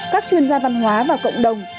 các chuyên gia văn hóa và cộng đồng